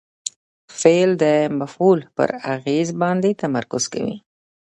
فعل د مفعول پر اغېز باندي تمرکز کوي.